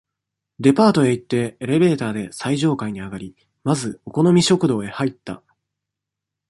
デパートへ行って、エレベーターで最上階にあがり、まず、お好み食堂へ入った。